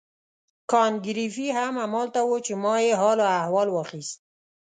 کانت ګریفي هم همالته وو چې ما یې حال و احوال واخیست.